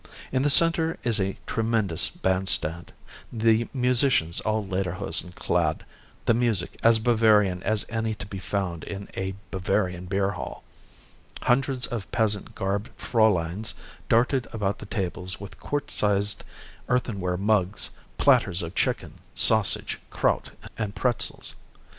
In the center is a tremendous bandstand, the musicians all lederhosen clad, the music as Bavarian as any to be found in a Bavarian beer hall. Hundreds of peasant garbed fräuleins darted about the tables with quart sized earthenware mugs, platters of chicken, sausage, kraut and pretzels.